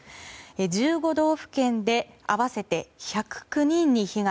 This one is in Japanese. １５道府県で合わせて１０９人に被害。